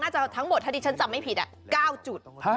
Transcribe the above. น่าจะทั้งหมดถ้าดิฉันจำไม่ผิดอ่ะ๙จุด